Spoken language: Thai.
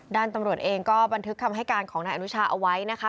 ด้านตำรวจเองก็บันทึกคำให้การของนายอนุชาเอาไว้นะคะ